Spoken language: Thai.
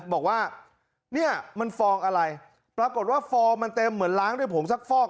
บอกว่าเนี่ยมันฟองอะไรปรากฏว่าฟองมันเต็มเหมือนล้างด้วยผงซักฟอก